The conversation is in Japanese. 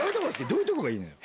どういうとこがいいのよ。